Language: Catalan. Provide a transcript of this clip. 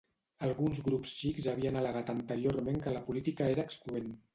Alguns grups sikhs havien al·legat anteriorment que la política era excloent.